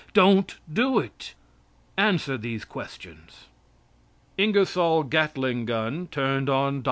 Don't do it. Answer these questions. INGERSOLL GATLING GUN TURNED ON DR.